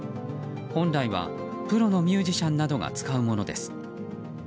本来はプロのミュージシャンなどが使うものです。